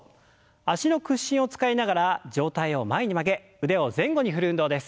脚の屈伸を使いながら上体を前に曲げ腕を前後に振る運動です。